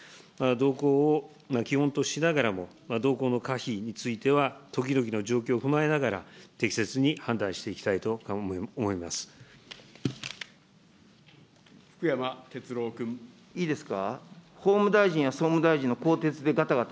同行を基本としながらも、同行の可否については、時々の状況を踏まえながら、適切に判断していきたいと思います。